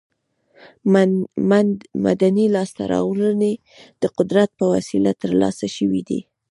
مدني لاسته راوړنې د قدرت په وسیله تر لاسه شوې دي.